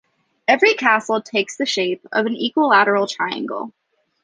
Every castle takes the shape of an equilateral triangle